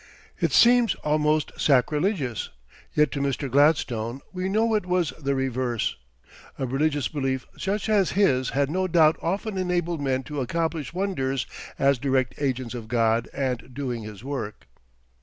It seems almost sacrilegious, yet to Mr. Gladstone we know it was the reverse a religious belief such as has no doubt often enabled men to accomplish wonders as direct agents of God and doing His work.